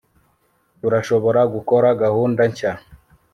Turashobora gukora gahunda nshya